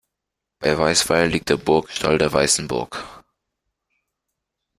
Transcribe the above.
Bei Weisweil liegt der Burgstall der Weißenburg.